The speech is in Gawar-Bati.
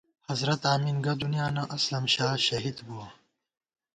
حضرت آمین گہ دُنیانہ ، اسلم شاہ شہید بُوَہ